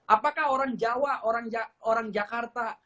apakah orang jawa orang jakarta